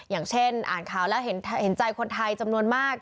อย่างเช่นอ่านข่าวแล้วเห็นใจคนไทยจำนวนมาก